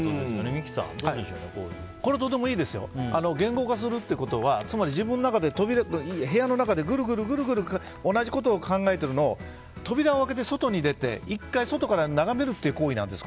三木さん、どうでしょうかとてもいいですよ。言語化するということはつまり自分の中で部屋の中でぐるぐる同じことを考えているのを扉を開けて外に出て１回外から眺めるという行為なんです。